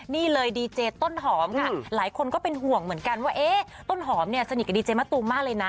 นี่เลยดีเจต้นหอมค่ะหลายคนก็เป็นห่วงเหมือนกันว่าต้นหอมเนี่ยสนิทกับดีเจมะตูมมากเลยนะ